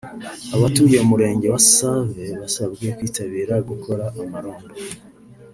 Abatuye Umurenge wa Save basabwe kwitabira gukora amarondo